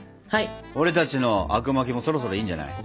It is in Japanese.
俺たちのあくまきもそろそろいいんじゃない？